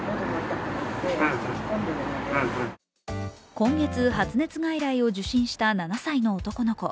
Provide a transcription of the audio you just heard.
今月、発熱外来を受診した７歳の男の子。